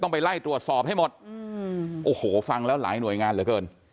ไปไล่ตรวจสอบให้หมดโอ้โหฟังแล้วหลายหน่วยงานเหลือเกิน